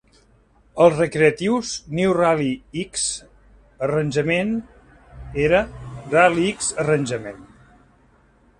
Als recreatius, "New Rally-X Arrangement" era "Rally-X Arrangement".